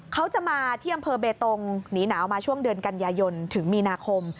เขาจะมาที่อำเภอเบตงหนีหนาวมาช่วงเดือนกันยายนถึงมีนาคม